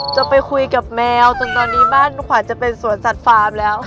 จะไปคุยกับแมวจนตอนนี้บ้านขวานจะเป็นสวนสัตว์ฟาร์มแล้วค่ะ